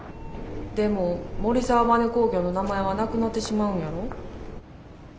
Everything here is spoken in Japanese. でも森澤バネ工業の名前はなくなってしまうんやろ？